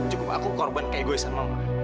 cukup aku korban kayak gue sama mbak